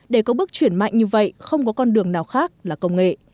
để có bước chuyển mạnh như vậy không có con đường nào khác là công nghệ